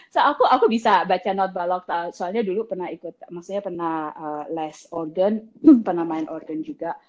so aku bisa baca not balok soalnya dulu pernah ikut maksudnya pernah less organ pernah main organ juga